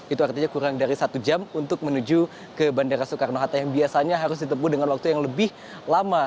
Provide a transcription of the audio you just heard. itu artinya kurang dari satu jam untuk menuju ke bandara soekarno hatta yang biasanya harus ditempuh dengan waktu yang lebih lama